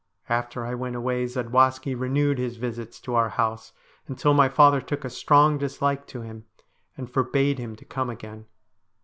After I went away Zadwaski renewed his visits to our house, until my father took a strong dislike to him, and forbade him to come again.